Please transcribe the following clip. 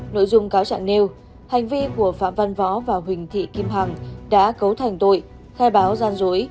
nội dung cáo trạng nêu hành vi của phạm văn võ và huỳnh thị kim hằng đã cấu thành tội khai báo gian dối